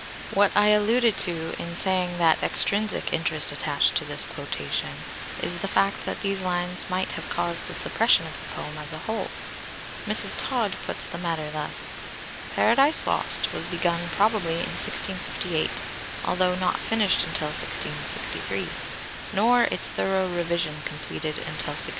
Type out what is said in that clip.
What I alluded to in saying that extrinsic interest attached to this quotation, is the fact that these lines might have caused the suppression of the poem as a whole. Mrs. Todd puts the matter thus:—"Paradise Lost was begun probably in 1658, although not finished until 1663, nor its thorough revision completed until 1665.